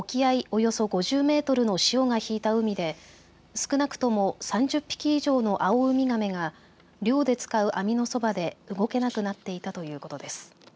およそ５０メートルの潮が引いた海で少なくとも３０匹以上のアオウミガメが漁で使う網のそばで動けなくなっていたということです。